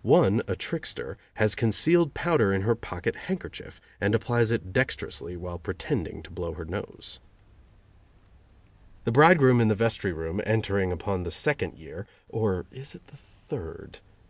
One, a trickster, has concealed powder in her pocket handkerchief, and applies it dexterously while pretending to blow her nose. The bridegroom in the vestry room, entering upon the second year (or is it the third?)